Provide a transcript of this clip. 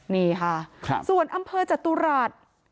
นี่ค่ะส่วนอำเภอจตุรัส